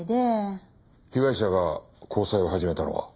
被害者が交際を始めたのは？